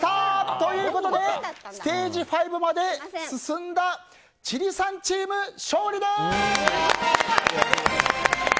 ということでステージ５まで進んだ千里さんチーム、勝利です！